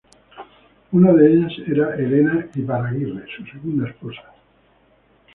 Una de ellas era Elena Iparraguirre, su segunda esposa.